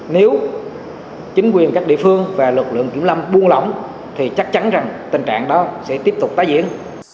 nếu chính quyền các địa phương và lực lượng kiểm lâm buôn lỏng thì chắc chắn rằng tình trạng đó sẽ tiếp tục tái diễn